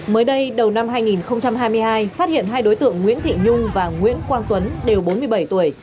mới đây đầu năm hai nghìn hai mươi hai phát hiện hai đối tượng nguyễn thị nhung và nguyễn quang tuấn đều bốn mươi bảy tuổi